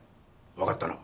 わかったな。